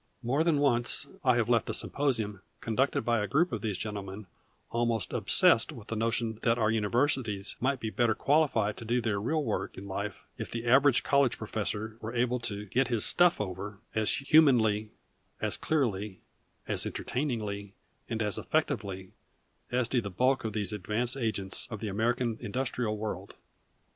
More than once I have left a symposium conducted by a group of these gentlemen almost obsessed with the notion that our universities might be better qualified to do their real work in life if the average college professor were able to "get his stuff over" as humanly, as clearly, as entertainingly, and as effectively as do the bulk of these advance agents of the American industrial world.